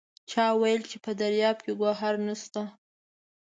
چا وایل چې په دریاب کې ګوهر نشته!